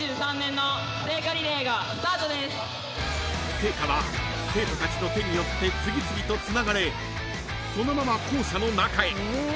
［聖火は生徒たちの手によって次々とつながれそのまま］